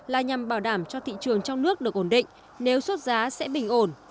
là nhằm bảo đảm cho thị trường trong nước được ổn định nếu xuất giá sẽ bình ổn